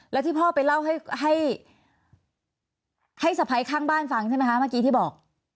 แล้วที่พ่อไปเล่าให้สะพ้ายข้างบ้านฟังใช่ไหมคะเมื่อกี้ที่บอก